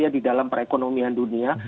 di dalam perekonomian dunia